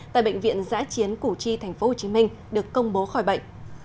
tại bệnh viện giã chiến củ chi tp hcm được công bố khỏi bệnh